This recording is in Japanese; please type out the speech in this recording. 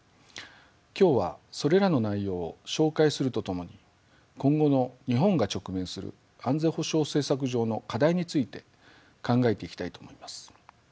今日はそれらの内容を紹介するとともに今後の日本が直面する安全保障政策上の課題について考えていきたいと思います。